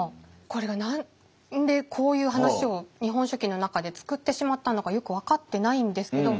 これが何でこういう話を「日本書紀」の中で作ってしまったのかよく分かってないんですけど。